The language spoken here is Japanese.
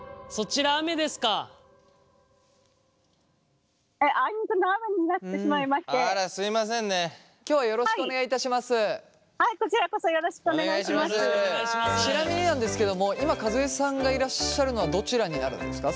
ちなみになんですけども今和江さんがいらっしゃるのはどちらになるんですか？